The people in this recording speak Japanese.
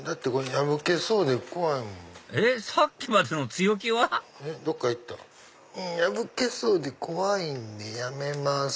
破けそうで怖いんでやめます